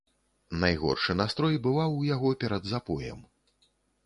Найгоршы настрой бываў у яго перад запоем.